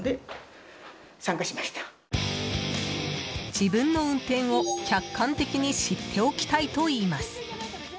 自分の運転を客観的に知っておきたいといいます。